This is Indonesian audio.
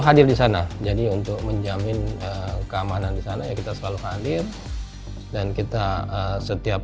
hadir di sana jadi untuk menjamin keamanan di sana ya kita selalu hadir dan kita setiap